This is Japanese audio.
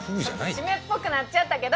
湿っぽくなっちゃったけど！